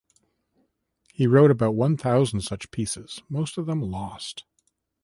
He wrote about one thousand such pieces, most of them lost.